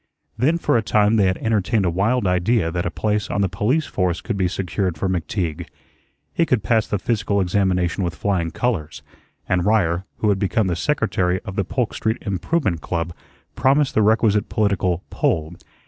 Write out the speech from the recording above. Then for a time they had entertained a wild idea that a place on the police force could be secured for McTeague. He could pass the physical examination with flying colors, and Ryer, who had become the secretary of the Polk Street Improvement Club, promised the requisite political "pull."